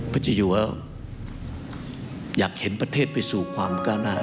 เจ้าอยู่อยากเห็นประเทศไปสู่ความก้าวหน้า